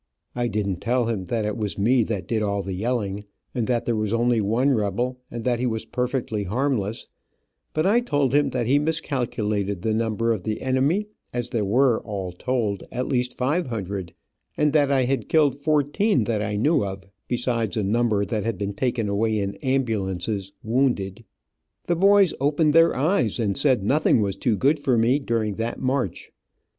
I didn't tell him that it was me that did all the yelling, and that there was only one rebel, and that he was perfectly harmless, but I told him that he miscalculated the number of the enemy, as there were, all told, at least five hundred, and that I had killed fourteen that I knew of, besides a number had been taken away in ambulances, wounded. The boys opened their eyes, and nothing was too good for me during that march.